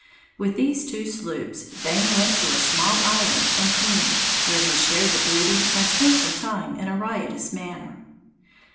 With these two sloops, Vane went to a small island and cleaned; where he shared the booty, and spent some time in a riotous manner.